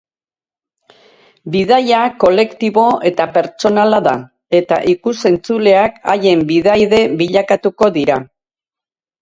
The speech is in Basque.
Bidaia kolektibo eta pertsonala da, eta ikus-entzuleak haien bidaide bilakatuko dira.